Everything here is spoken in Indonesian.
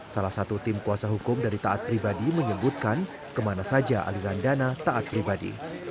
salah satu tim kuasa hukum dari taat pribadi menyebutkan kemana saja aliran dana taat pribadi